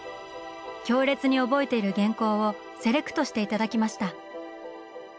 強烈に覚えている原稿をセレクトしていただきました。